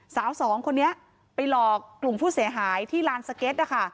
สาวสองคนนี้ไปหลอกกลุ่มผู้เสียหายที่ลานสเก็ตนะคะ